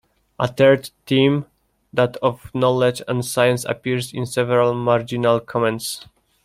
A third theme, that of knowledge and science, appears in several marginal comments.